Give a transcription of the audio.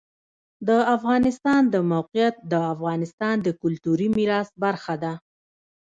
د افغانستان د موقعیت د افغانستان د کلتوري میراث برخه ده.